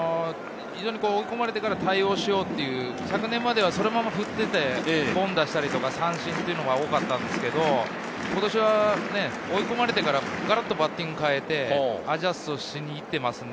対応しようという去年まではそのまま振って凡打したり、三振が多かったんですけれど、今年は追い込まれてからガラっとバッティングを変えて、アジャストしに行っています。